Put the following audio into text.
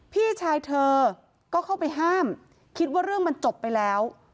พี่ชายเธอก็เข้าไปห้ามคิดว่าเรื่องมันจบไปแล้ว